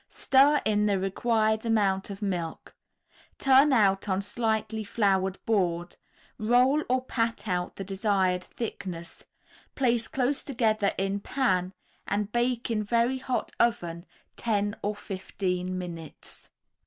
Stir in the required amount of milk. Turn out on slightly floured board, roll or pat out the desired thickness, place close together in pan and bake in very hot oven ten or fifteen minutes.